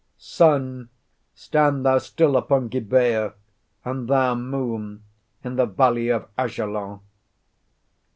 "Sun, stand thou still upon Gibeah, and thou, Moon, in the valley of Ajalon."